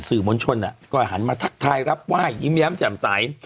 สื่อม้นชนน่ะก็หันมาทักทายรับไหว้ยิ้มแย้มจำใส